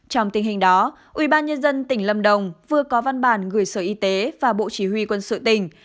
trong tình hình đó ubnd tỉnh lâm đồng vừa có văn bản gửi sở y tế và bộ chỉ huy quân sự tỉnh